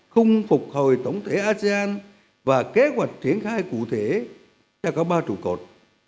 khung phục hồi tổng thể asean và kế hoạch triển khai cụ thể cho cả ba trụ cột